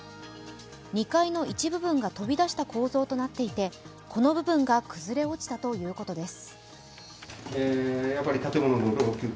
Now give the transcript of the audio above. ２階の一部分が飛び出した構造となっていてこの部分が崩れ落ちたということです。